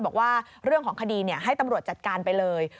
บอกว่าเรื่องของคดีให้ตำรวจจัดการไปเลย